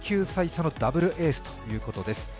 １９歳差のダブルエースということです。